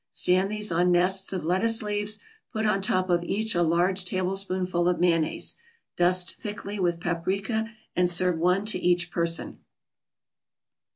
Stand these on nests of lettuce leaves, put on top of each a large tablespoonful of mayonnaise. Dust thickly with paprika and serve one to each person.